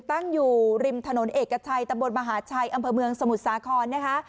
ตั้งอยู่ริมถนนเอกชัยตำบลมหาชัยอำเภอเมืองสมุทรสาครนะคะ